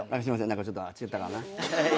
何かちょっと違ったかな。